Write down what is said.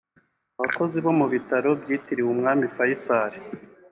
Abakozi bo mu Bitaro Byitiriwe Umwami Faisal